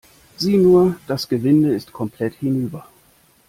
Sieh nur, das Gewinde ist komplett hinüber.